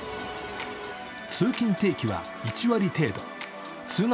通勤定期は１割程度通学